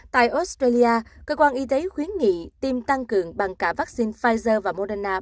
tại australia cơ quan y tế khuyến nghị tiêm tăng cường bằng cả vaccine pfizer và moderna